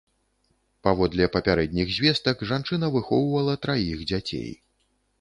Паводле папярэдніх звестак, жанчына выхоўвала траіх дзяцей.